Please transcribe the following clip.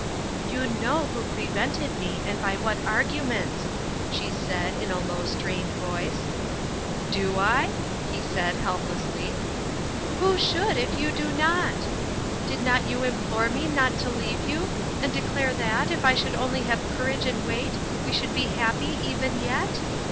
" You know who prevented me, and by what arguments !" she said, in a low strained voice. "Do I ?" he said, helplessly. " Who should, if you do not ? Did not you implore me not to leave you, and declare that, if I would only have courage and wait, we should be happy even yet